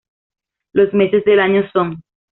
Los meses del año son:-